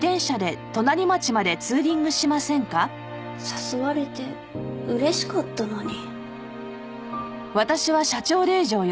誘われて嬉しかったのに。